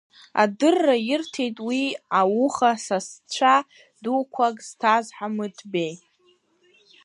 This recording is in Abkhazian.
Адырра ирҭеит уи ауха сасцәа дуқәак зҭаз Ҳамыҭбеи.